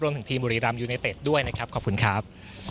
รวมถึงทีมบุรีรำยูไนเต็ดด้วยนะครับขอบคุณครับ